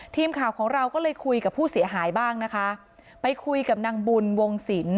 ทีมข่าวของเราก็เลยคุยกับผู้เสียหายบ้างนะคะไปคุยกับนางบุญวงศิลป